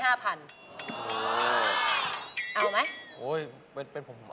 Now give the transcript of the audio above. เอามั้ยเอาไหมโหเป็นผมผมเอาแล้วค่ะเธอนี้